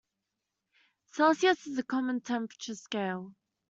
Celsius is a common temperature scale.